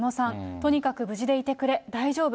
とにかく無事でいてくれ、大丈夫。